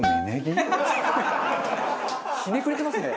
ひねくれてますね。